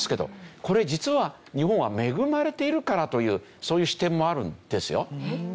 これ実は日本は恵まれているからというそういう視点もあるんですよ。